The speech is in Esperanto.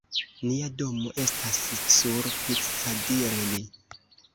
Nia domo estas sur Piccadilli.